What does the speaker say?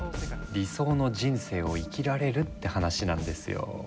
理想の人生を生きられるって話なんですよ。